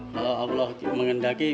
kalau allah tidak mengendalikan